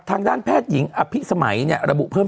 ทางด้านแพทย์หญิงอภิสมัยระบุเพิ่ม